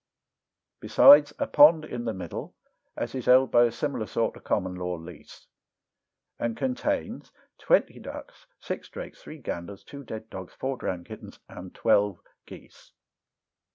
Besides a pond in the middle, as is held by a similar sort of common law lease, And contains twenty ducks, six drakes, three ganders, two dead dogs, four drowned kittens, and twelve geese.